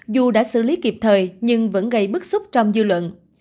dù đã xử lý kịp thời nhưng vẫn gây bức xúc trong dư luận